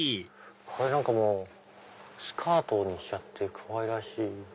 これスカートにしちゃってかわいらしい。